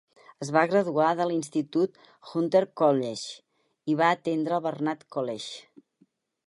Es va graduar de l'Institut Hunter College i va atendre el Barnard College.